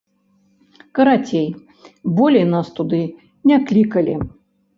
Карацей, болей нас туды не клікалі.